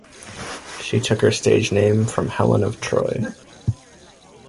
She took her stage name from Helen of Troy.